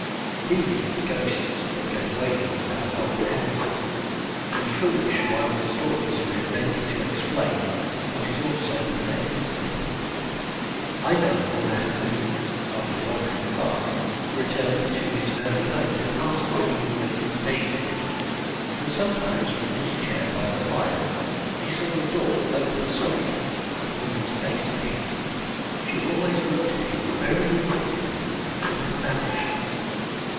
These are the ghosts that go wailing about old houses, and foolish wild stories are invented to explain what is all so pathetic and simple. I know of a man who, after wandering far, returned to his early home to pass the evening of his days in it, and sometimes from his chair by the fire he saw the door open softly and a woman's face appear. She always looked at him very vindictively, and then vanished.